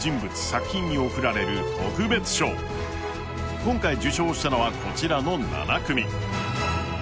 今回受賞したのはこちらの７組。